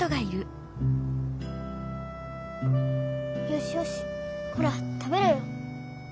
よしよしほら食べろよ。